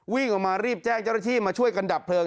วิ่งออกมารีบแจ้งเจ้าหน้าที่มาช่วยกันดับเพลิง